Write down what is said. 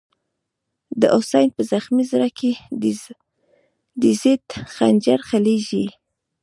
دحسین” په زخمی زړه کی، دیزید خنجر ځلیږی”